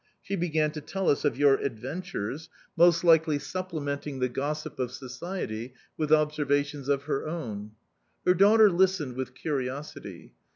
She began to tell us of your adventures, most likely supplementing the gossip of society with observations of her own... Her daughter listened with curiosity.